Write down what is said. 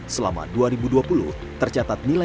selama dua ribu dua puluh tercatat nilai